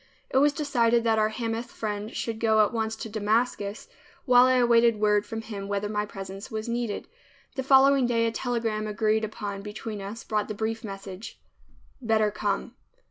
It was decided that our Hamath friend should go at once to Damascus, while I awaited word from him whether my presence was needed. The following day a telegram agreed upon between us brought the brief message, "Better come."